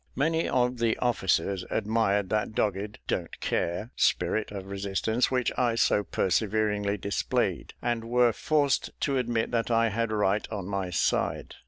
Many of the officers admired that dogged, "don't care" spirit of resistance which I so perseveringly displayed, and were forced to admit that I had right on my side.